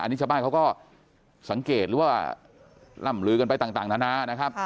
อันนี้ชาวบ้านเขาก็สังเกตหรือว่าล่ำลือกันไปต่างนานานะครับ